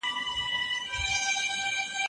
آیا ميرمن په جلا ځای کي لمونځ کوي؟